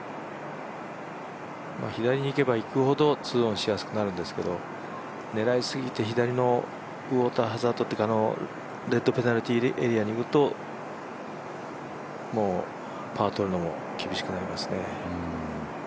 左に行けば行くほど２オンしやすくなるんですけど狙いすぎて左のウォーターハザードというか、レッドペナルティーエリアにいくともうパーを取るのも厳しくなりますね。